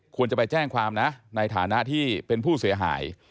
ควรจะไปแจ้งความนะในฐานะที่เป็นผู้เสียหาย